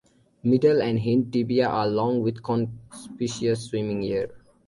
Middle and hind tibia are long with conspicuous swimming hair.